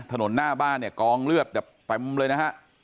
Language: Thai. หน้าบ้านเนี่ยกองเลือดแบบเต็มเลยนะฮะ